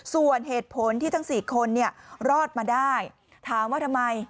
ส่วนเหตุผลที่ทั้ง๔คนรอดมาได้ถามว่าทำไม